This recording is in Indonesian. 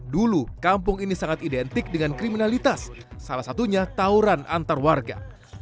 dulu kampung ini sangat identik dengan kriminalitas salah satunya tauran antar warga